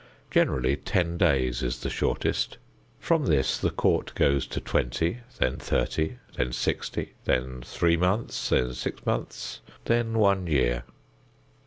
Generally ten days is the shortest. From this the court goes to twenty, then thirty, then sixty, then three months, then six months, then one year.